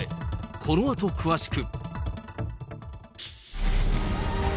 このあと詳しく。